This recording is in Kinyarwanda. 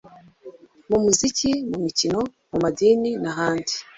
mu muziki, mu mikino, mu madini n’ahandi,